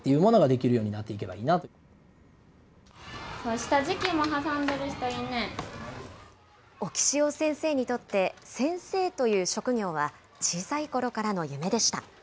下敷きも挟んでいる人、置塩先生にとって、先生という職業は、小さいころからの夢でした。